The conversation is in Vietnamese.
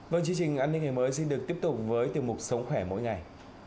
vâng chương trình an ninh ngày mới xin được tiếp tục với tiêu mục sống khỏe mỗi ngày